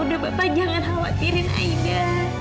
udah bapak jangan khawatirin aida